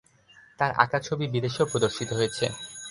তার আঁকা ছবি বিদেশেও প্রদর্শিত হয়েছে।